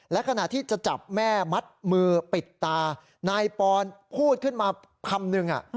และขณะที่จะจับแม่มัดมือปิดตานายปอนพูดขึ้นมาคำนึง